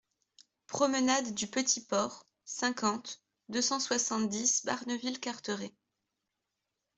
Promenade du Petit Port, cinquante, deux cent soixante-dix Barneville-Carteret